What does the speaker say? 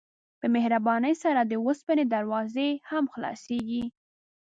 په مهربانۍ سره د اوسپنې دروازې هم خلاصیږي.